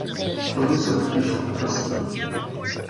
Plody jsou spíše okrasné.